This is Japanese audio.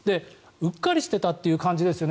うっかりしてたって感じですよね